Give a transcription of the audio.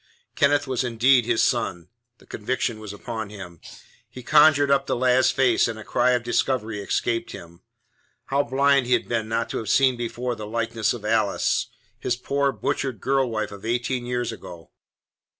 Kenneth was indeed his son; the conviction was upon him. He conjured up the lad's face, and a cry of discovery escaped him. How blind he had been not to have seen before the likeness of Alice his poor, butchered girl wife of eighteen years ago.